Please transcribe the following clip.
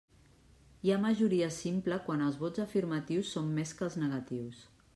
Hi ha majoria simple quan els vots afirmatius són més que els negatius.